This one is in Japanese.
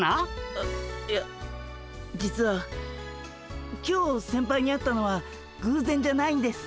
えいや実は今日先輩に会ったのはぐうぜんじゃないんです。